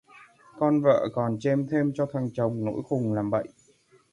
Con vợ còn chêm thêm cho thằng chồng nổi khùng làm bậy